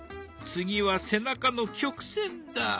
次は背中の曲線だ。